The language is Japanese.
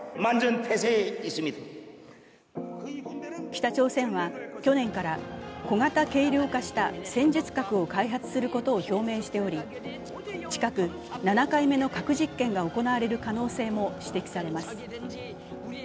北朝鮮は去年から小型軽量化した戦術核を開発することを表明しており近く７回目の核実験が行われる可能性も指摘されます。